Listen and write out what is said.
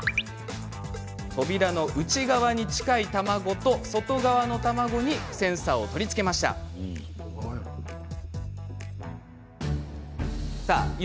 扉の内側に近い卵と、外側の卵にセンサーを取り付けましたよ。